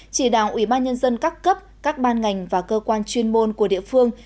chỉ đạo ủy ban nhân dân các cấp các ban ngành và cơ quan chuyên môn của địa phương